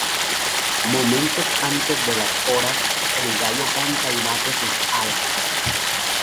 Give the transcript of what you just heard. Momentos antes de las horas, el gallo canta y bate sus alas.